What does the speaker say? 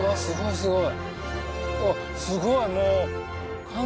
すごい！